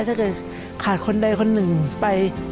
ถ้าเกิดขาดคนใดคนหนึ่งไป